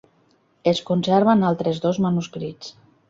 Es conserven altres dos manuscrits.